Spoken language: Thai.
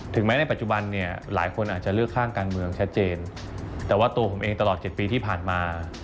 แม้ในปัจจุบันเนี่ยหลายคนอาจจะเลือกข้างการเมืองชัดเจนแต่ว่าตัวผมเองตลอด๗ปีที่ผ่านมา